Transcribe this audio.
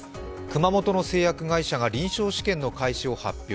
熊本の製薬会社が臨床試験の開始を発表。